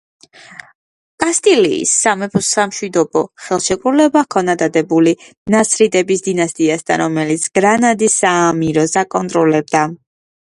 კასტილიის სამეფოს სამშვიდობო ხელშეკრულება ჰქონდა დადებული ნასრიდების დინასტიასთან, რომელიც გრანადის საამიროს აკონტროლებდა.